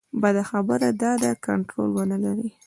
بده خبره دا ده کنټرول ونه لري.